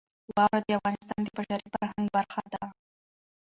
واوره د افغانستان د بشري فرهنګ برخه ده.